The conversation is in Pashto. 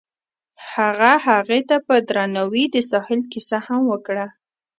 هغه هغې ته په درناوي د ساحل کیسه هم وکړه.